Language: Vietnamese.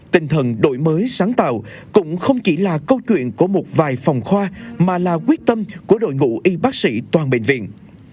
tinh thần đổi mới sáng tạo cũng không chỉ là câu chuyện của một vài phòng khoa mà là quyết tâm của đội ngũ y bác sĩ toàn bệnh viện